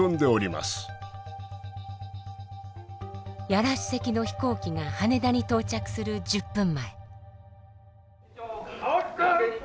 屋良主席の飛行機が羽田に到着する１０分前。